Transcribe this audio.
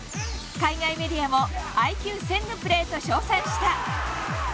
海外メディアもＩＱ１０００のプレート称賛した。